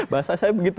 bahasa saya begitu